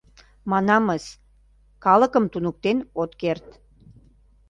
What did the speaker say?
Манамыс, калыкым туныктен от керт.